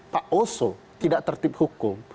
pak oso tidak tertib hukum